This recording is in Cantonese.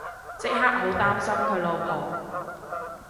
即刻好擔心佢老婆